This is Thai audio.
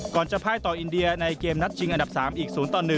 ก่อนจะพายต่ออินเดียในเกมนัดจริงอันดับ๓อีก๐๑